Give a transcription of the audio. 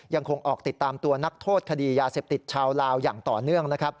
ยังคงออกติดตามตัวนักโทษคดียาเสพติดชาวลาวอย่างต่อเนื่องนะครับ